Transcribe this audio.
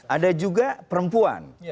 ada juga perempuan